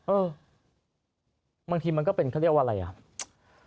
เออบางทีมันก็เป็นเขาเรียกว่าอะไรอ่ะ